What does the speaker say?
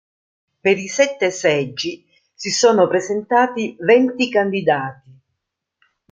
Per i sette seggi si sono presentati venti candidati.